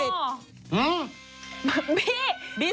อืมบี่